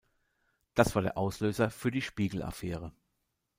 Das war der Auslöser für die Spiegel-Affäre.